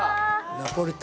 ナポリタン。